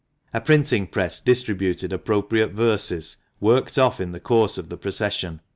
A printing press distributed appropriate verses, worked off in the course of the procession.